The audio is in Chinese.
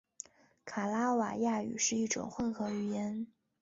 卡拉瓦亚语是一种混合语言。